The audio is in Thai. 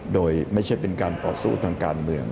โดยไม่ใช่เป็นการต่อสู้ทางการเมือง